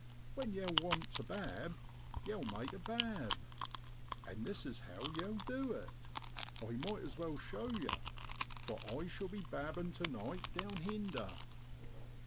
When yow want to 'bab' yow make a ; bab.' And this is how yow du it I might as well show yer, for I shall be a babbin' tu night down hinder.'